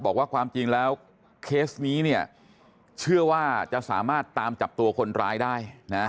บอกว่าความจริงแล้วเคสนี้เนี่ยเชื่อว่าจะสามารถตามจับตัวคนร้ายได้นะ